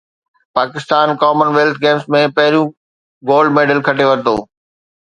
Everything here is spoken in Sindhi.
پاڪستان ڪمن ويلٿ گيمز ۾ پهريون گولڊ ميڊل کٽي ورتو